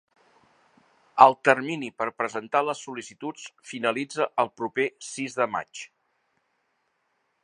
El termini per presentar les sol·licituds finalitza el proper sis de maig.